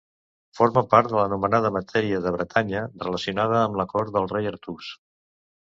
Forma part de l'anomenada matèria de Bretanya, relacionada amb la cort del Rei Artús.